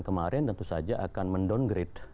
kemarin tentu saja akan men downgrade